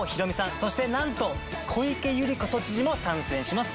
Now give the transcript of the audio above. そして何と小池百合子都知事も参戦します。